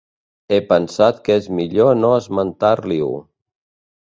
He pensat que és millor no esmentar-li-ho.